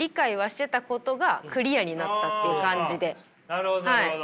なるほどなるほど。